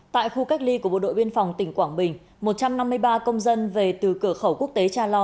tại khu cách ly của bộ đội biên phòng tỉnh quảng bình một trăm năm mươi ba công dân về từ cửa khẩu quốc tế cha lo